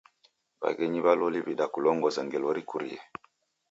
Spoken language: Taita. W'aghenyi w'a loli w'idakulongoza ngelo rikurie.